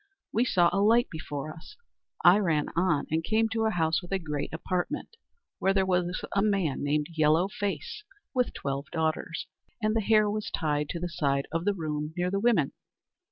We saw a light before us. I ran on, and came to a house with a great apartment, where there was a man named Yellow Face with twelve daughters, and the hare was tied to the side of the room near the women.